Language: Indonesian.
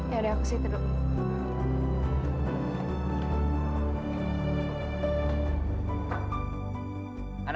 yaudah aku sih tidur